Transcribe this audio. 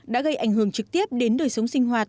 đã gây ảnh hưởng trực tiếp đến đời sống sinh hoạt